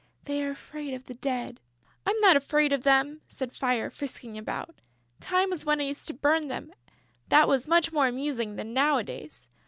"They are afraid of the Dead." "I'm not afraid of them!" said Fire, frisking about. "Time was when I used to burn them; that was much more amusing than nowadays."